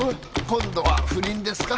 今度は不倫ですか？